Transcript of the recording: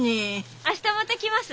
明日また来ます。